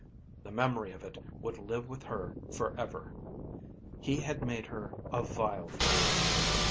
The memory of it would live with her for ever. He had made her a vile thing.